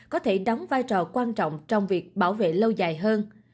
có thể đóng vai trò quan trọng trong việc bảo vệ lâu dài hơn